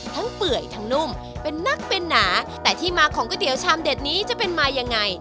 เปื่อยทั้งนุ่มเป็นนักเป็นหนาแต่ที่มาของก๋วยเตี๋ยวชามเด็ดนี้จะเป็นมายังไง